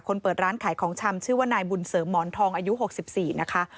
เปิดร้านขายของชำชื่อว่านายบุญเสริมหมอนทองอายุ๖๔นะคะ